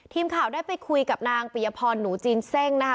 ทีมข่าวได้ไปคุยกับนางปิยพรหนูจีนเซ่งนะคะ